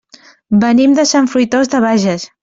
Venim de Sant Fruitós de Bages.